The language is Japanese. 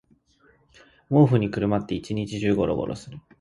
毛布にくるまって一日中ゴロゴロする